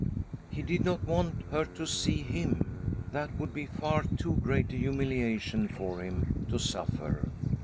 He did not want her to see him ! That would be far too great a humiliation for him to suffer.